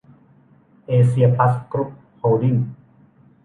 เอเซีย พลัส กรุ๊ป โฮลดิ้งส์